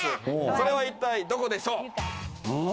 それは一体どこでしょう。